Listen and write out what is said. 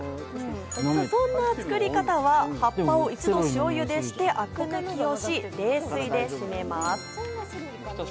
そんな作り方は、葉っぱを一度塩ゆでして、アク抜きをし、冷水でしめます。